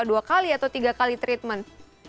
dua kali atau tiga kali treatment